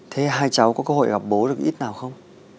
thế hai cháu có cơ hội gặp bố được ít nào không